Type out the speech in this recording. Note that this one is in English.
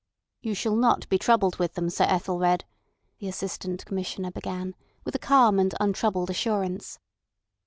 "You shall not be troubled with them, Sir Ethelred," the Assistant Commissioner began, with a calm and untroubled assurance.